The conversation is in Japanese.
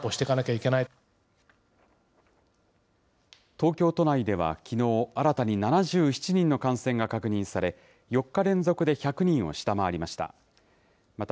東京都内ではきのう、新たに７７人の感染が確認され、４日連続で１００人を下回りました。